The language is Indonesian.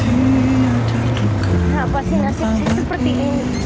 kenapa sih nasib saya seperti ini